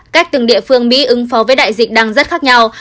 cách từng địa phương mỹ ứng phó với đại dịch đang rất khác nhau